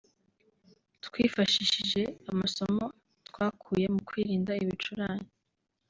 twifashishije amasomo twakuye mu kwirinda ibicurane